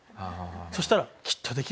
そうしたら「きっとできる」。